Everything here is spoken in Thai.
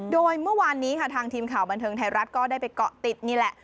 โดยเมื่อวานนี้ค่ะทางทีมข่าวบันเทิงไทยรัฐก็ได้ไปเกาะติดนี่แหละ